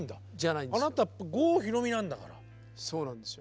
あなた郷ひろみなんだから。